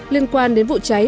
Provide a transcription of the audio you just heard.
liên quan đến vụ cháy